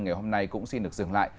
ngày hôm nay cũng xin được dừng lại